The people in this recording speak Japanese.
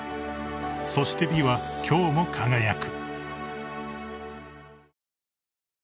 ［そして美は今日も輝く］